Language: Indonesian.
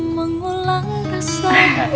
mengulang rasa cinta